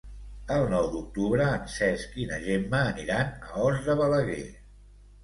El nou d'octubre en Cesc i na Gemma aniran a Os de Balaguer.